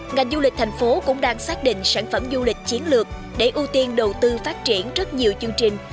ngành du lịch thành phố cũng đang xác định sản phẩm du lịch chiến lược để ưu tiên đầu tư phát triển rất nhiều chương trình